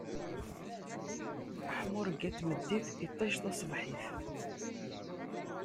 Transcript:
Leḥmuṛegga n tmeddit, iṭij taṣebḥit!